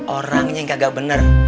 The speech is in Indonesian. orangnya yang kagak bener